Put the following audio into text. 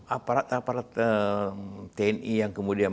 aparat aparat tni yang kemudian